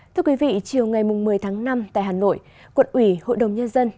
thưa quý vị chiều ngày một mươi tháng năm tại hà nội quận ủy hội đồng nhân dân